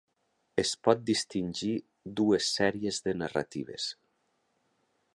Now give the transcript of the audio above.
Es pot distingir dues sèries de narratives.